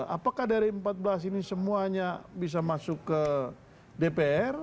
apakah dari empat belas ini semuanya bisa masuk ke dpr